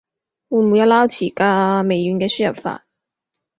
會唔會有撈詞㗎？微軟嘅輸入法